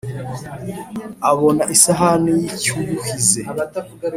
Abona isahani y'icyiyuhize